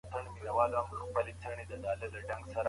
په کور کي د زده کړي لپاره موټر ته نه کښېنستل کېږي.